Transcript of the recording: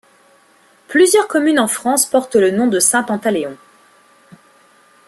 Plusieurs communes en France portent le nom de Saint-Pantaléon.